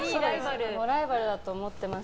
ライバルだと思ってます。